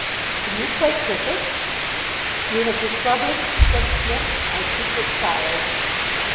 "Can you play cricket?" "You have discovered," said Psmith, "my secret sorrow."